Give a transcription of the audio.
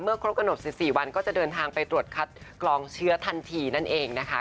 ครบกำหนด๑๔วันก็จะเดินทางไปตรวจคัดกรองเชื้อทันทีนั่นเองนะคะ